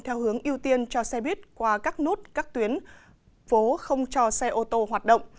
theo hướng ưu tiên cho xe buýt qua các nút các tuyến phố không cho xe ô tô hoạt động